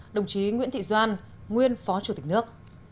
đồng chí nguyễn thị doan nguyên phó chủ tịch nước